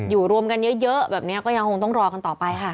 รวมกันเยอะแบบนี้ก็ยังคงต้องรอกันต่อไปค่ะ